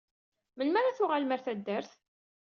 Melmi ara tuɣalem ɣer taddart?